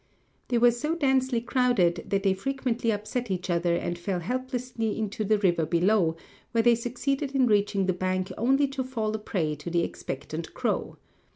They were so densely crowded that they frequently upset each other and fell helplessly into the river below, where they succeeded in reaching the bank only to fall a prey to the expectant crow.